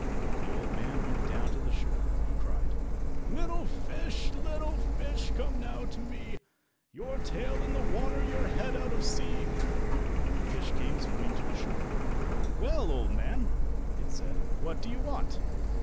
The old man went down to the shore. He cried— "Little fish, little fish, come now to me, Your tail in the water, your head out of sea!" The fish came swimming to the shore. "Well, old man!" it said, "what do you want?"